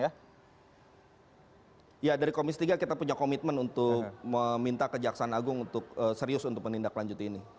ya dari komisi tiga kita punya komitmen untuk meminta kejaksaan agung untuk serius untuk menindaklanjuti ini